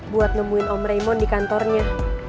buat nemuin om raymoon di kantornya